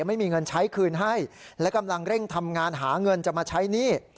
ไม่มีเงินใช้คืนให้และกำลังเร่งทำงานหาเงินจะมาใช้หนี้